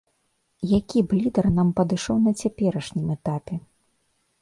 Які б лідар нам падышоў на цяперашнім этапе?